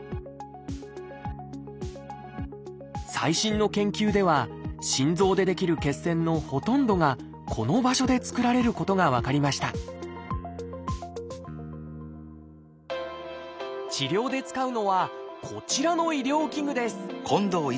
最新の研究では心臓で出来る血栓のほとんどがこの場所で作られることが分かりました治療で使うのはこちらの医療器具です